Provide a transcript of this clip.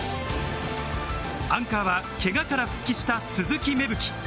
アンカーは、けがから復帰した鈴木芽吹。